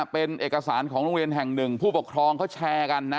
เป็นเอกสารของโรงเรียนแห่งหนึ่งผู้ปกครองเขาแชร์กันนะ